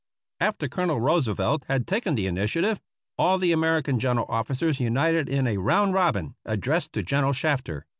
After Colonel Roosevelt had taken the initiative, all the American general officers united in a " round robin " addressed to General Shafter.